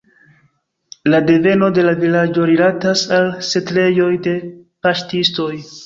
La deveno de la vilaĝo rilatas al setlejoj de paŝtistoj.